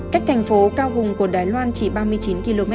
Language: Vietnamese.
cách thành phố cao hùng của đài loan chỉ ba mươi chín km